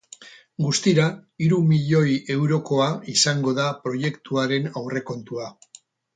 Guztira hiru milioi eurokoa izango da proiektuaren aurrekontua.